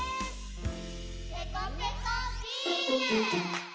「ペコペコビーム！！！！！！」